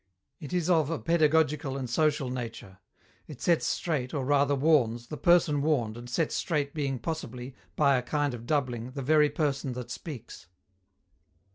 It is of a pedagogical and social nature. It sets straight or rather warns, the person warned and set straight being possibly, by a kind of doubling, the very person that speaks.